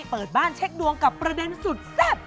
เปิดบ้านเช็คดวงกับประเด็นสุดแซ่บ